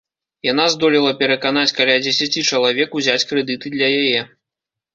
Яна здолела пераканаць каля дзесяці чалавек узяць крэдыты для яе.